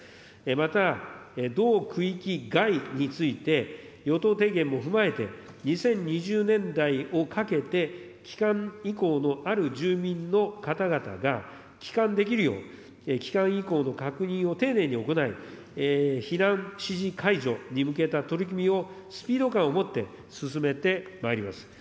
また、同区域外について、与党提言も踏まえて、２０２０年代をかけて帰還意向のある住民の方々が、帰還できるよう、帰還意向の確認を丁寧に行い、避難指示解除に向けた取り組みをスピード感を持って進めてまいります。